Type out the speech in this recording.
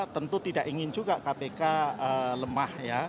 tentu tidak ingin juga kpk lemah ya